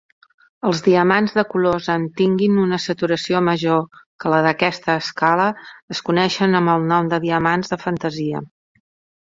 Els diamants de colors amb tinguin una saturació major que la d'aquesta escala es coneixen amb el nom de diamants "de fantasia".